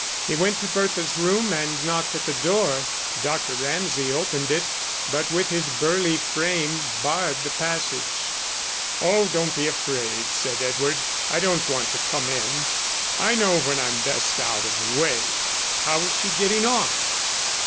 He went to Bertha's room and knocked at the door. Dr. Ramsay opened it, but with his burly frame barred the passage. "Oh, don't be afraid," said Edward, "I don't want to come in. I know when I'm best out of the way.... How is she getting on?"